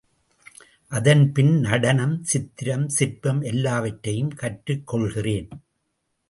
அதன் பின் நடனம், சித்திரம், சிற்பம் எல்லாவற்றையும் கற்றுக் கொள்கிறேன்.